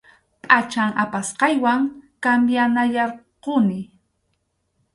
Pʼachan apasqaywan cambianayarquni.